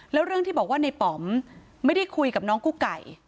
แล้วเรื่องที่บอกว่าในป๋อมไม่ได้คุยกับน้องกุ๊กไก่